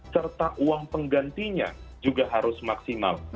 serta uang penggantinya juga harus maksimal